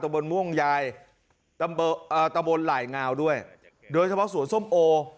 บนม่วงยายตำบลหลายงาวด้วยโดยเฉพาะสวนส้มโอ